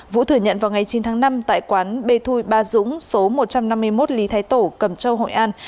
vũ thừa nhận vào ngày chín tháng năm tại quán b thui ba dũng số một trăm năm mươi một lý thái tổ cầm châu hội an